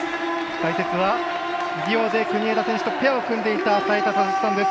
解説は、リオで国枝選手とペアを組んでいた齋田悟司さんです。